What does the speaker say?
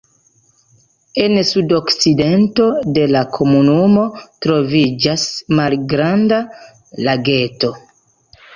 En sudokcidento de la komunumo troviĝas malgranda lageto.